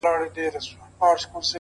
دا ده کوچي ځوانيمرگې نجلۍ تول دی،